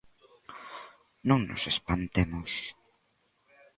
Non nos espantemos!